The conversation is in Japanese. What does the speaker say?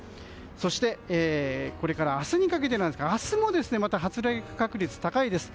そして、これから明日にかけてですが明日も発雷確率が高いです。